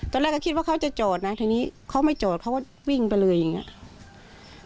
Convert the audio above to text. ตอนแรกก็คิดว่าเขาจะจอดนะทีนี้เขาไม่จอดเขาก็วิ่งไปเลยอย่างนี้